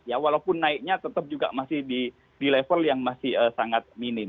ya walaupun naiknya tetap juga masih di level yang masih sangat minim